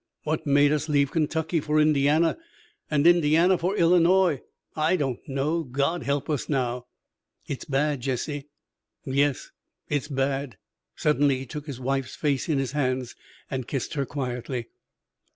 "What made us leave Kentucky for Indiana, and Indiana for Illinois? I don't know. God help us now!" "It's bad, Jesse." "Yes, it's bad." Suddenly he took his wife's face in his hands and kissed her quietly.